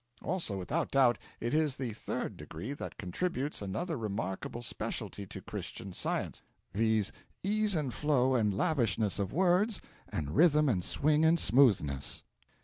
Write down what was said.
Also, without doubt, it is the Third Degree that contributes another remarkable specialty to Christian Science: viz., ease and flow and lavishness of words, and rhythm and swing and smoothness.